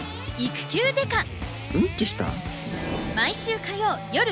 うんちした？